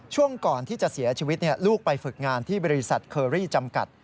ช่วงก่อนที่จะเสียชีวิตลูกไปฝึกงานที่บริษัทเคอรี่จำกัด